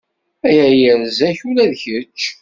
Aya yerza-k ula d kečč.